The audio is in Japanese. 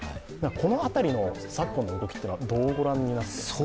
この辺りの昨今の動きはどうご覧になっていますか？